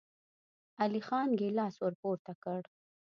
علی خان ګيلاس ور پورته کړ.